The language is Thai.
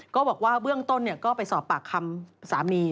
ก็บอกว่าเบื้องต้นก็ไปสอบปากคำสามี